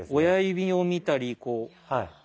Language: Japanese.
親指を見たりこう。